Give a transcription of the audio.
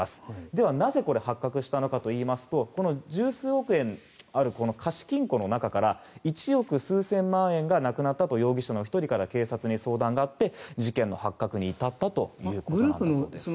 では、なぜ発覚したのかといいますと十数億円ある貸金庫の中から一億数千万円がなくなったと容疑者の１人から警察に相談があって事件発覚に至ったということなんです。